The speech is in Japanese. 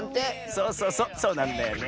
そうそうそうそうなんだよね。